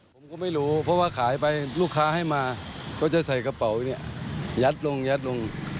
ผมก็ไม่รู้เพราะว่าขายไปลูกค้าให้มาก็จะใส่กระเป๋าเนี่ยยัดลงยัดลง